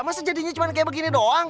masa jadinya cuma kayak begini doang